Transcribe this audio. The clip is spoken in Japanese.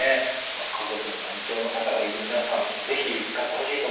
家族に難聴の方がいる皆さん是非使ってほしいと思いますが。